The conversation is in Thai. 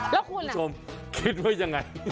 แล้วคุณคิดไว้ยังไง